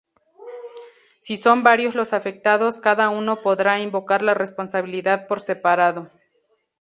Si son varios los afectados, cada uno podrá invocar la responsabilidad por separado.